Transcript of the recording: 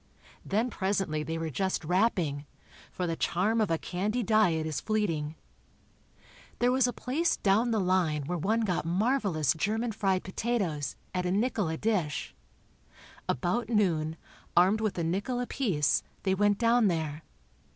Then presently they were just wrapping, for the charm of a candy diet is fleeting. There was a place "down the line" where one got marvelous German fried potatoes, at a nickel a dish. About noon, armed with a nickel apiece, they went down there.